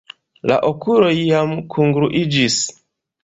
La okuloj jam kungluiĝis.